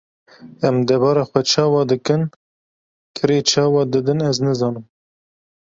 Em debara xwe çawa dikin, kirê çawa didin ez nizanim.